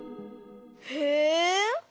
へえ。